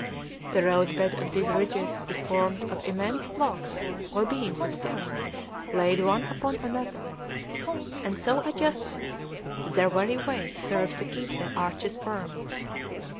The road bed of these bridges is formed of immense blocks or beams of stone, laid one upon another, and so adjusted that their very weight serves to keep the arches firm.